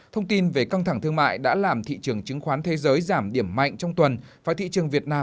thông tin về căng thẳng thương mại đã làm thị trường chứng khoán thế giới giảm điểm mạnh trong tuần